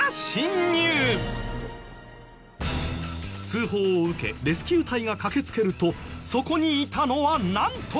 通報を受けレスキュー隊が駆けつけるとそこにいたのはなんと。